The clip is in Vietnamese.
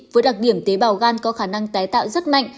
với đặc điểm tế bào gan có khả năng tái tạo rất mạnh